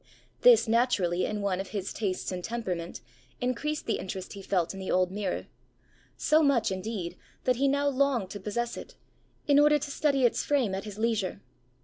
This, naturally, in one of his tastes and temperament, increased the interest he felt in the old mirror; so much, indeed, that he now longed to possess it, in order to study its frame at his leisure.